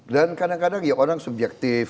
kadang kadang ya orang subjektif